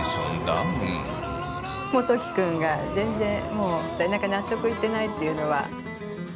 モトキ君が全然納得いってないっていうのは。